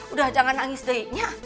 udah jangan nangis dayanya